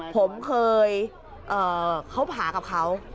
ผมเคยเข้าผ่ากับเขา